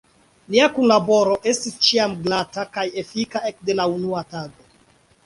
Nia kunlaboro estis ĉiam glata kaj efika, ekde la unua tago.